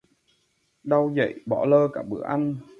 Đau dậy, bỏ lơ cả bữa ăn